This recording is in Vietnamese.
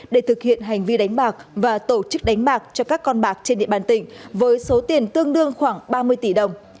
để thực hiện hành vi đánh bạc và tổ chức đánh bạc cho các con bạc trên địa bàn tỉnh với số tiền tương đương khoảng ba mươi tỷ đồng